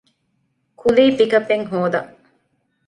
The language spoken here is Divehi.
ކުލީ ޕިކަޕެއް ހޯދަން